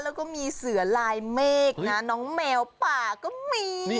แล้วก็มีเสือลายเมฆนะน้องแมวป่าก็มี